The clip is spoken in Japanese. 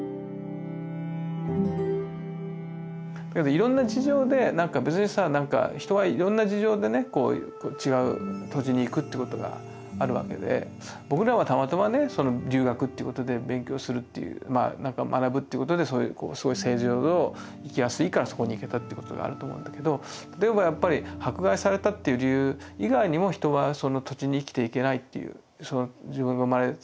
いろんな事情でなんか別にさ人はいろんな事情でね違う土地に行くってことがあるわけで僕らはたまたまね留学っていうことで勉強するっていうまあなんか学ぶっていうことでそういう制度上行きやすいからそこに行けたってことがあると思うんだけど例えばやっぱり迫害されたっていう理由以外にも人はその土地に生きていけないっていうその自分が生まれ育った